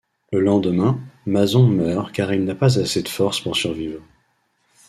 Le lendemain, Mason meurt car il n’a pas assez de force pour survivre.